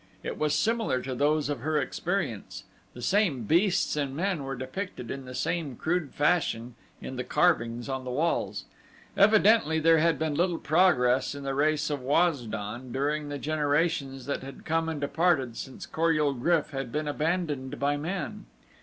It was similar to those of her experience the same beasts and men were depicted in the same crude fashion in the carvings on the walls evidently there had been little progress in the race of Waz don during the generations that had come and departed since Kor ul GRYF had been abandoned by men.